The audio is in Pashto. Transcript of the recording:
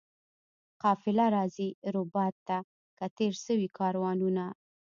قافله راځي ربات ته که تېر سوي کاروانونه؟